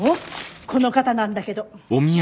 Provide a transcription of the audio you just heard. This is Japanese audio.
この方なんだけど。